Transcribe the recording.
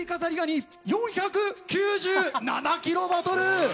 ４９７キロバトル！